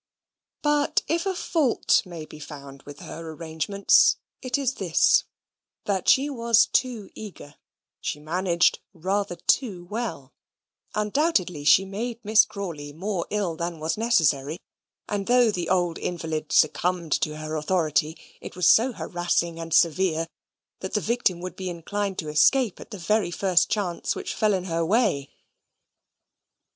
But if a fault may be found with her arrangements, it is this, that she was too eager: she managed rather too well; undoubtedly she made Miss Crawley more ill than was necessary; and though the old invalid succumbed to her authority, it was so harassing and severe, that the victim would be inclined to escape at the very first chance which fell in her way.